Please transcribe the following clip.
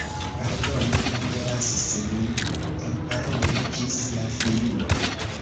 Pardonu, vi ne lasis min elparoli ĝis la fino.